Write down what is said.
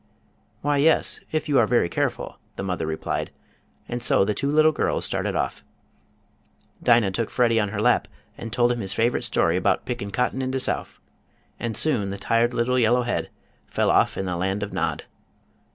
"Why, yes, if you are very careful," the mother replied, and so the two little girls started off. Dinah took Freddie on her lap and told him his favorite story about "Pickin' cotton in de Souf," and soon the tired little yellow head fell off in the land of Nod.